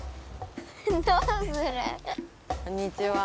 こんにちは！